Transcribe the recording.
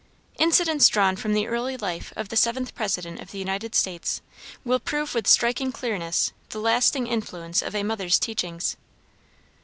Incidents drawn from the early life of the seventh President of the United States, will prove with striking clearness the lasting influence of a mother's teachings.